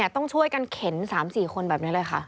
ต้องช่วยกันเข็น๓๔คนแบบนี้เลยค่ะ